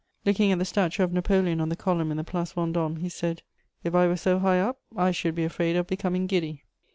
Looking at the statue of Napoleon on the column in the Place Vendôme, he said: "If I were so high up, I should be afraid of becoming giddy."